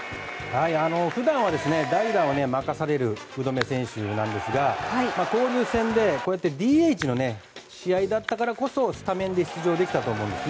普段は代打を任される福留選手なんですが、交流戦でこうやってＤＨの試合だったからこそスタメンで出場できたと思うんです。